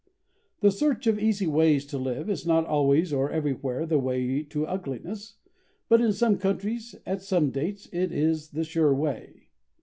The search of easy ways to live is not always or everywhere the way to ugliness, but in some countries, at some dates, it is the sure way.